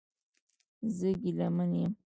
زه ګیلمن یم